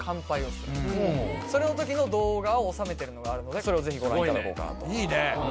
それの時の動画を収めてるのがあるのでそれをぜひご覧いただこうかなと。